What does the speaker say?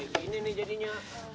kayak gini nih jadinya